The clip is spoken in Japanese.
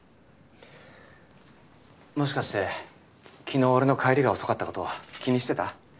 もしかして昨日俺の帰りが遅かったこと気にしてた？